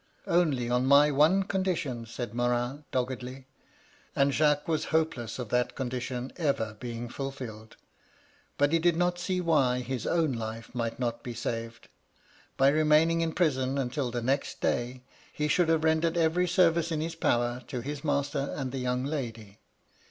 "* Only on my one condition,' said Morin, dog gedly; and Jacques was hopeless of that condition ever being fulfilled. But he did not see why his own life might not be saved. By remaining in prison until the next day, he should have rendered every service in his power to his master and the young lady.